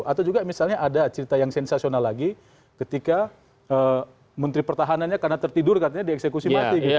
atau juga misalnya ada cerita yang sensasional lagi ketika menteri pertahanannya karena tertidur katanya dieksekusi mati gitu